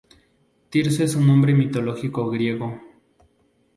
Tirso es un nombre mitológico griego.